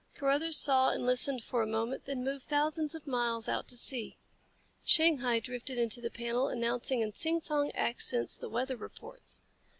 Carruthers saw and listened for a moment, then moved thousands of miles out to sea. Shanghai drifted into the panel, announcing in sing song accents the weather reports.